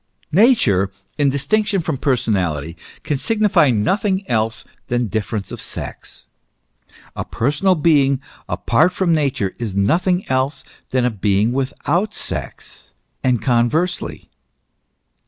Nature in distinction from personality can signify nothing else than difference of sex. A personal being apart from Nature is nothing else than a being without sex, and con versely.